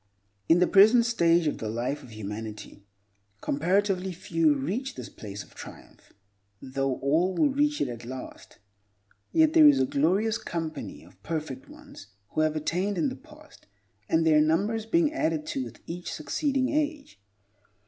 In the present stage of the life of humanity, comparatively few reach this place of triumph—though all will reach it at last—yet there is a glorious company of perfect ones who have attained in the past, and their number is being added to with each succeeding age.